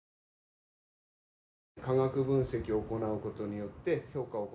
化学分析を行うことによって。